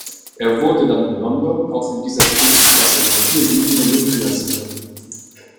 Er wurde dann in London auch in dieser Gewichtsklasse mit vier Siegen Olympiasieger.